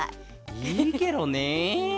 いいケロね。